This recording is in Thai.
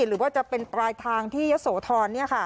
หรือว่าจะเป็นปลายทางที่ยะโสธร